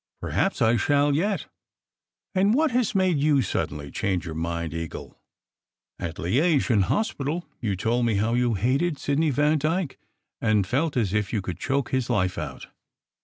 Perhaps I shall yet ! And what has made you suddenly change your mind, Eagle? At Liege, in hospital, you told me how you hated Sidney Vandyke and felt as if you could choke his life out."